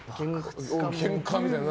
けんかみたいな。